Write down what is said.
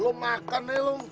lo makan deh lo